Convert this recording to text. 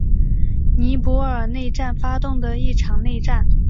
尼泊尔内战发动的一场内战。